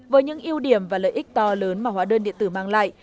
với những ưu điểm và lợi ích to lớn mà hóa đơn điện tử mang lại